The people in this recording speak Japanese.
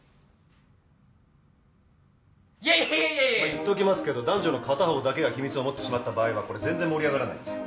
言っときますけど男女の片方だけが秘密を持ってしまった場合はこれ全然盛り上がらないんです。